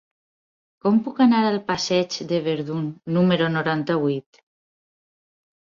Com puc anar al passeig de Verdun número noranta-vuit?